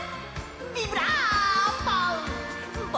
ビブラーボ！